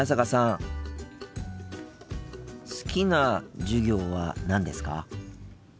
好きな授業は何ですか？